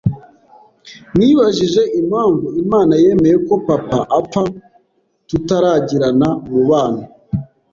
nibajije impamvu Imana yemeye ko papa apfa tutaragirana umubano